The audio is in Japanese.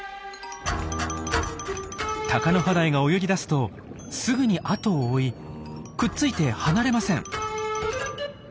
タカノハダイが泳ぎ出すとすぐに後を追いくっついて離れません。